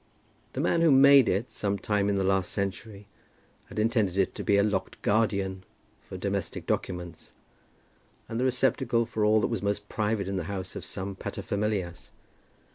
The man who had made it, some time in the last century, had intended it to be a locked guardian for domestic documents, and the receptacle for all that was most private in the house of some paterfamilias.